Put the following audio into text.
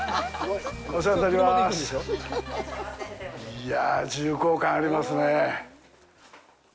いやぁ、重厚感ありますね。